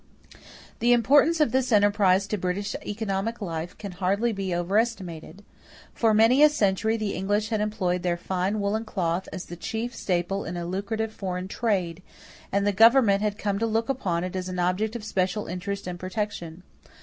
The importance of this enterprise to British economic life can hardly be overestimated. For many a century the English had employed their fine woolen cloth as the chief staple in a lucrative foreign trade, and the government had come to look upon it as an object of special interest and protection.